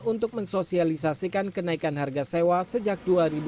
untuk mensosialisasikan kenaikan harga sewa sejak dua ribu dua puluh